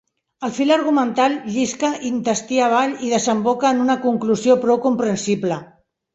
El fil argumental llisca intestí avall i desemboca en una conclusió prou comprensible.